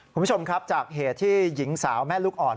คุณผู้ชมครับจากเหตุที่หญิงสาวแม่ลูกอ่อน